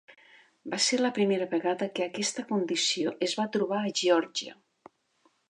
Va ser la primera vegada que aquesta condició es va trobar a Geòrgia.